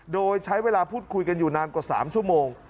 โดยใช้เวลาพูดคุยกันอยู่นานกว่า๓ชั่วโมง